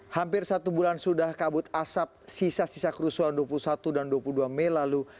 hampir satu bulan sudah kabut asap sisa sisa kerusuhan dua puluh satu dan dua puluh dua mei lalu